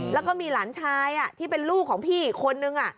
แล้วก็มีหลานชายที่เป็นลูกของพี่อีกคนนึง